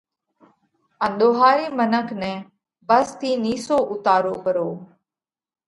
ان ۮوهارِي منک نئہ ڀس ٿِي نِيسو اُوتارو پرو۔